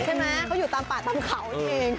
ใช่ไหมเขาอยู่ตามป่าตามเขานั่นเอง